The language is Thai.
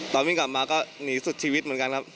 วิ่งกลับมาก็หนีสุดชีวิตเหมือนกันครับ